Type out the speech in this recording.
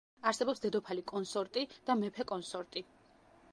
არსებობს დედოფალი კონსორტი და მეფე კონსორტი.